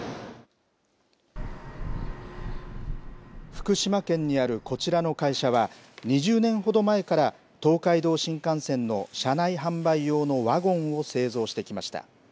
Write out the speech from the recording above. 福島県にあるこちらの会社は、２０年ほど前から東海道新幹線の車内販売用のワゴンを製造してきました。